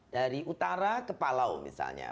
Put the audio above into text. dari utara ke palau misalnya